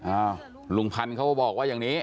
อ้าวลุงพันธุ์เขาก็บอกว่าอย่างนี้